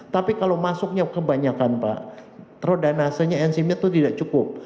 tapi kalau masuknya kebanyakan pak trodanasenya enzimnya itu tidak cukup